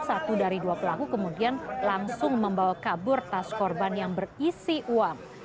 satu dari dua pelaku kemudian langsung membawa kabur tas korban yang berisi uang